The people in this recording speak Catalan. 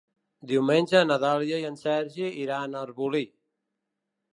Diumenge na Dàlia i en Sergi iran a Arbolí.